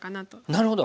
なるほど。